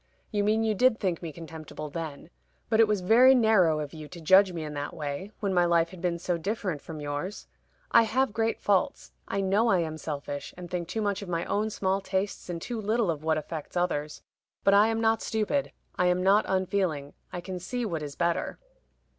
"You mean you did think me contemptible then. But it was very narrow of you to judge me in that way, when my life had been so different from yours. I have great faults. I know I am selfish, and think too much of my own small tastes and too little of what affects others. But I am not stupid. I am not unfeeling. I can see what is better."